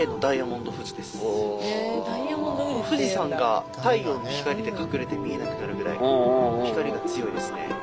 富士山が太陽の光で隠れて見えなくなるぐらい光が強いですね。